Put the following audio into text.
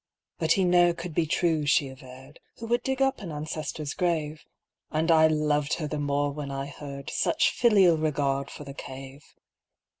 But he ne'er could be true, she averred, Who would dig up an ancestor's grave â And I loved her the more when I heard Such filial regard for the Cave.